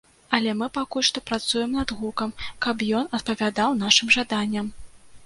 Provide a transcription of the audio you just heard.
Але мы пакуль што працуем над гукам, каб ён адпавядаў нашым жаданням.